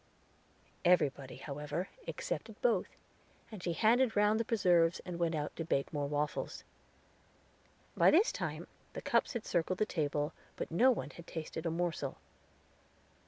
Everybody, however, accepted both. She then handed round the preserves, and went out to bake more waffles. By this time the cups had circled the table, but no one had tasted a morsel.